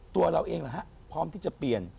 ตัวเราเองพร้อมที่จะเปลี่ยน